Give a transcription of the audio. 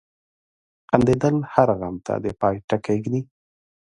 • خندېدل هر غم ته د پای ټکی ږدي.